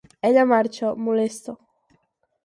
Ella marxa, molesta.